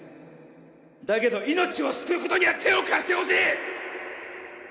だけど命を救うことには手を貸してほしい！